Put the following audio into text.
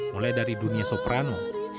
mulai dari dunia soprano